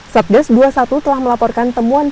satgas dua puluh satu telah melaporkan temuan pembuangan limbah